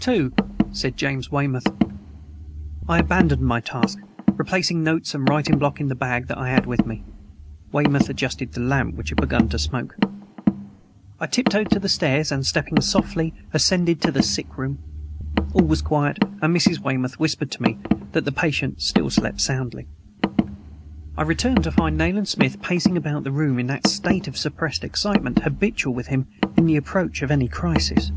"Two," said James Weymouth. I abandoned my task, replacing notes and writing block in the bag that I had with me. Weymouth adjusted the lamp which had begun to smoke. I tiptoed to the stairs and, stepping softly, ascended to the sick room. All was quiet, and Mrs. Weymouth whispered to me that the patient still slept soundly. I returned to find Nayland Smith pacing about the room in that state of suppressed excitement habitual with him in the approach of any crisis.